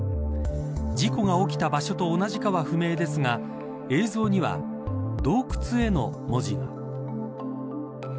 事故が起きた場所と同じかは不明ですが映像には、洞窟への文字が。